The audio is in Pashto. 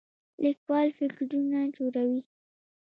لیکوال فکرونه جوړوي